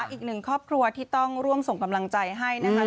อีกหนึ่งครอบครัวที่ต้องร่วมส่งกำลังใจให้นะคะ